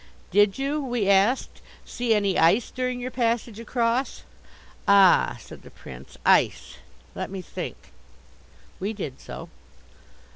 "Did you," we asked, "see any ice during your passage across?" "Ah," said the Prince, "ice! Let me think." We did so.